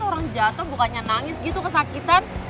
orang jatuh bukannya nangis gitu kesakitan